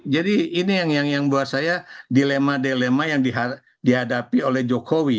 jadi ini yang buat saya dilema dilema yang dihadapi oleh jokowi